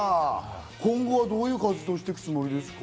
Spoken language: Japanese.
今後はどういう活動をしていくつもりですか？